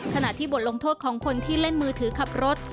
ขณะที่บทลงโทษของคนที่เล่นมือถือขับรถ